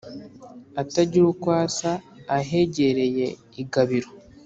atagira uko asa ahegereye i Gabiro